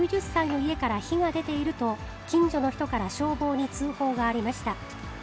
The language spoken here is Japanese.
９０歳の家から火が出ていると、近所の人から消防に通報がありました。